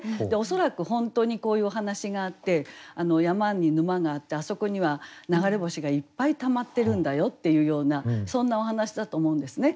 恐らく本当にこういうお話があって山に沼があってあそこには流れ星がいっぱいたまってるんだよっていうようなそんなお話だと思うんですね。